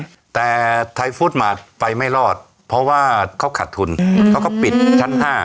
แต่ไทยฟุตมาร์ทไปไม่รอดเพราะว่าเขาขาดทุนเขาก็ปิดชั้นห้า